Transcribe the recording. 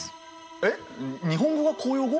えっ日本語が公用語？